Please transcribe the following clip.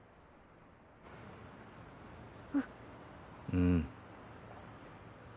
うん。